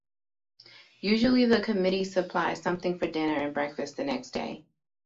Usually the committee supplies something for dinner and breakfast the next day.